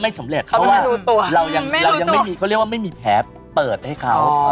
ไม่สำเร็จเขาว่าเขาไม่มีแผลเปิดให้เขา